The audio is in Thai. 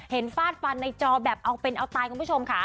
เห็นฟาดฟันในจอแบบเอาเป็นเอาตายของผู้ชม